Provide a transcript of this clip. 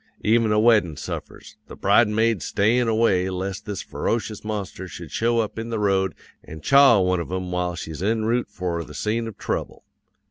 Even a weddin' suffers; the bridesmaids stayin' away lest this ferocious monster should show up in the road an' chaw one of 'em while she's en route for the scene of trouble.